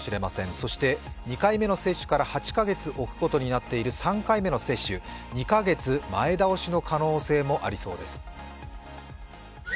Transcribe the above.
そして、２回目の接種から８カ月置くことになっている３回目の接種、２カ月前倒しの可能性もありそうです。